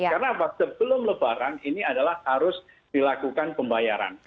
karena sebelum lebaran ini adalah harus dilakukan pembayaran